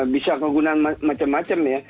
bisa kegunaan macam macam ya